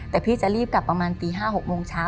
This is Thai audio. แต่พี่จะรีบกลับประมาณตี๕๖โมงเช้า